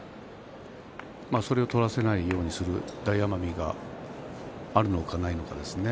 それを取らせないようにする大奄美があるのかないのか。